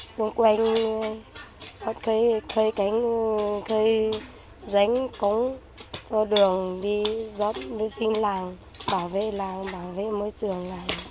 xung quanh dọn cây cánh cây ránh cống cho đường đi dọn vệ sinh làng bảo vệ làng bảo vệ môi trường